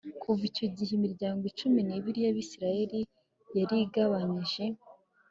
kuva icyo gihe imiryango cumin'ibiri y'abisirayeli yarigabanyije